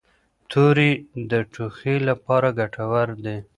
توري د ټوخي لپاره ګټور دي.